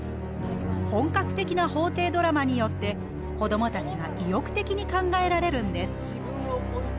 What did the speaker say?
本格的な法廷ドラマによって子どもたちが意欲的に考えられるんです。